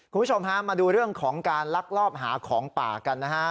คุณผู้ชมฮะมาดูเรื่องของการลักลอบหาของป่ากันนะฮะ